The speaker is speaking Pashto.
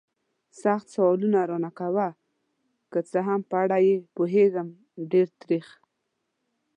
سخت سوالونه را نه کوه. که څه هم په اړه یې پوهېږم، ډېر تریخ.